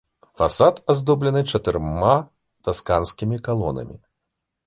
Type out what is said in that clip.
Фасад аздоблены чатырма тасканскімі калонамі.